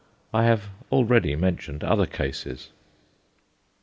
I have already mentioned other cases.